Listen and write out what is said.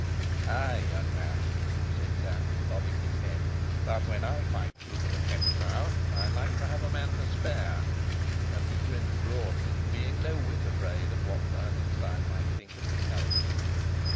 "Ay, young man," said Sapt, nodding his head; "but when I fight Rupert of Hentzau, I like to have a man to spare," and he grinned broadly, being no whit afraid of what Bernenstein might think of his courage.